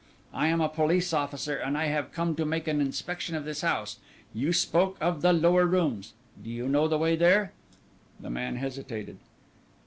I am a police officer and I have come to make an inspection of this house. You spoke of the lower rooms do you know the way there?" The man hesitated.